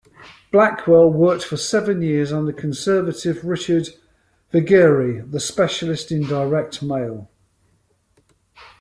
Blackwell worked for seven years under conservative Richard Viguerie, the specialist in direct mail.